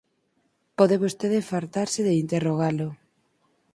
Pode vostede fartarse de interrogalo.